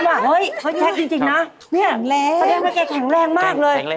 แกแข็งแรงมากเลย